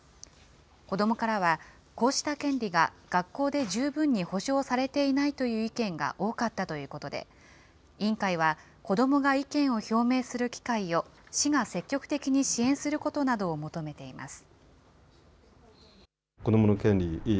子どもからは、こうした権利が学校で十分に保障されていないという意見が多かったということで、委員会は、子どもが意見を表明する機会を市が積極的に支援することなどを求めています。